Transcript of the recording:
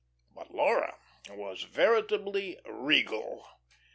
But Laura was veritably regal.